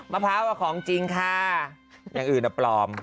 พร้าวของจริงค่ะอย่างอื่นปลอม